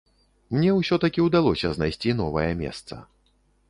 Мне ўсё-такі ўдалося знайсці новае месца.